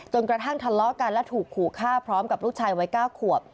กระทั่งทะเลาะกันและถูกขู่ฆ่าพร้อมกับลูกชายวัย๙ขวบ